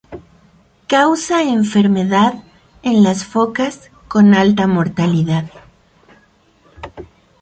Causa enfermedad en las focas con alta mortalidad.